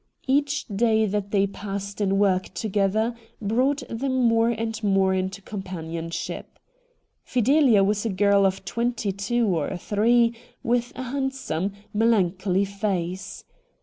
Each day that they passed in work together brought them more and more into companionship. Fidelia was a girl of twenty two or three, with a handsome, melan choly face.